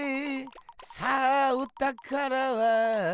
さあおたからはどこだ？